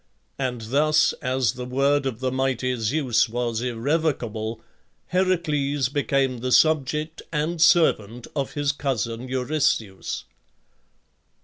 And thus, as the word of the mighty Zeus was irrevocable, Heracles became the subject and servant of his cousin Eurystheus.